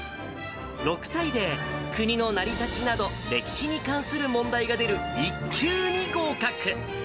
６歳で、国の成り立ちなど、歴史に関する問題が出る１級に合格。